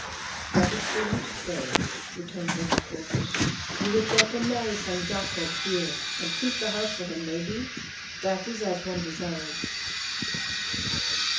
"That is for you to say," returned Wunsch coldly. "You would better marry some Jacob here and keep the house for him, may be? That is as one desires."